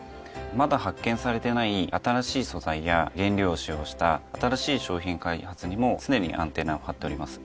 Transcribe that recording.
まだ発見されてない新しい素材や原料を使用した新しい商品開発にも常にアンテナを張っております。